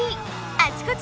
あちこち